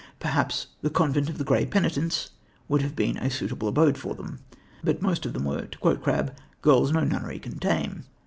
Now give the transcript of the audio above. Perhaps The Convent of the Grey Penitents would have been a suitable abode for them; but most of them were, to quote Crabbe, "girls no nunnery can tame."